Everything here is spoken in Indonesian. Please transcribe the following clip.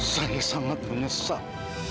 saya sangat menyesal